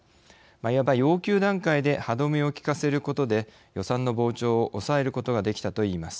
いわば要求段階で歯止めをきかせることで予算の膨張を抑えることができたといいます。